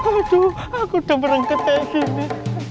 aduh aku udah merengket kayak gini